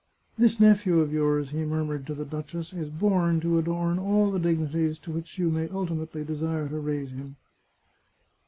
" This nephew of yours," he murmured to the duchess, " is born to adorn all the dignities to which you may ultimately desire to raise him."